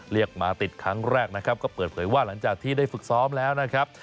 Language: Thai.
เรียกมาติดครั้งแรกนะครับก็เปิดเผยว่าหลังจากที่ได้ฝึกซ้อมแล้วนะครับ